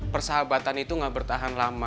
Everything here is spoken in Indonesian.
persahabatan itu gak bertahan lama